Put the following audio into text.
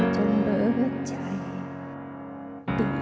สวัสดีครับ